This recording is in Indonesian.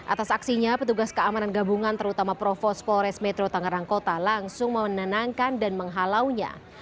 atas aksinya petugas keamanan gabungan terutama provos polres metro tangerang kota langsung menenangkan dan menghalaunya